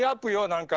何か。